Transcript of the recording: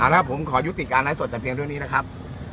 ถ้าผมขอยุติการไหนสดจากเพลงด้วยนี้นะครับ